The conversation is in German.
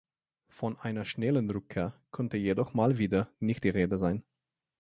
Von einer schnellen Rückkehr konnte jedoch mal wieder nicht die Rede sein.